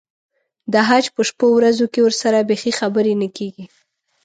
د حج په شپو ورځو کې ورسره بیخي خبرې نه کېږي.